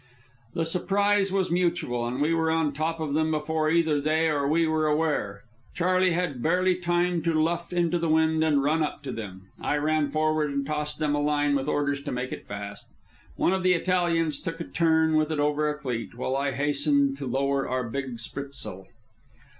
The surprise was mutual, and we were on top of them before either they or we were aware. Charley had barely time to luff into the wind and run up to them. I ran forward and tossed them a line with orders to make it fast. One of the Italians took a turn with it over a cleat, while I hastened to lower our big spritsail.